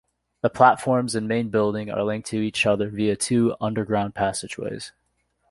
The platforms and main building are linked to each other via two underground passageways.